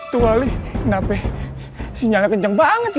tuali kenapa sinyalnya kenceng banget ya